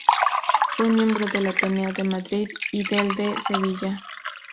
Fue miembro del Ateneo de Madrid y del de Sevilla.